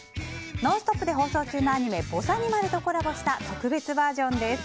「ノンストップ！」で放送中のアニメ「ぼさにまる」とコラボした特別バージョンです。